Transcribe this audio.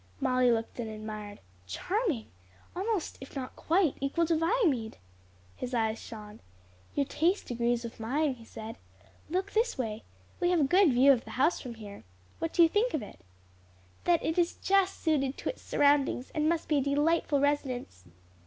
Molly looked and admired. "Charming! almost if not quite equal to Viamede." His eyes shone. "Your taste agrees with mine," he said. "Look this way. We have a good view of the house from here. What do you think of it?" "That it is just suited to its surroundings, and must be a delightful residence."